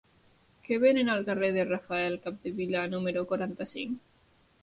Què venen al carrer de Rafael Capdevila número quaranta-cinc?